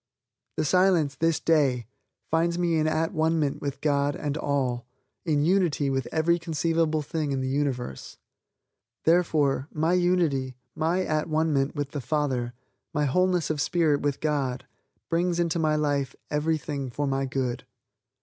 The Silence, this day, finds me in at one ment with God and all, in unity with every conceivable thing in the universe. Therefore, my unity, my at one ment with the Father, my wholeness of spirit with God brings into my life everything for my good.